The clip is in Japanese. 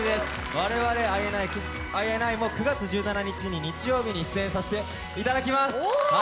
我々、ＩＮＩも９月１７日の日曜日に出演させていただきます。